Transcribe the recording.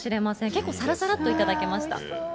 結構、さらさらっと頂けました。